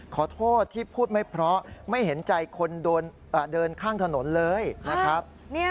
ขอโทษที่พูดไม่เพราะไม่เห็นใจคนเดินข้างถนนเลยนะครับ